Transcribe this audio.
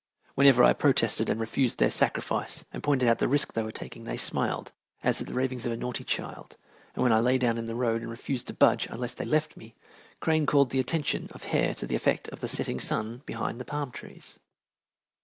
Whenever I protested and refused their sacrifice and pointed out the risk they were taking they smiled as at the ravings of a naughty child, and when I lay down in the road and refused to budge unless they left me, Crane called the attention of Hare to the effect of the setting sun behind the palm trees.